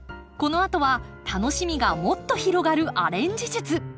このあとは楽しみがもっと広がるアレンジ術。